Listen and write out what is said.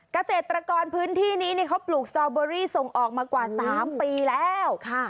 กาเศษตรกรพื้นที่นี้เนี้ยเขาปลูกสตรอเบอร์รี่ส่งออกมากว่าสามปีแล้วค่ะ